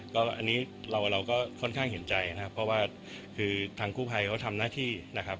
ก็อันนี้เราก็ค่อนข้างเห็นใจนะครับเพราะว่าคือทางกู้ภัยเขาทำหน้าที่นะครับ